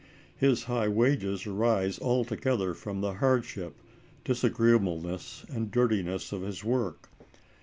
His high wages arise altogether from the hardship, disagreeableness, and dirtiness of his work.